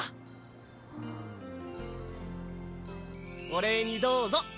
おれいにどうぞ。